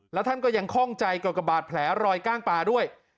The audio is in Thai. และท่านก็ยังคล่องใจกรกบาดแผลรอยก้างปลาด้วย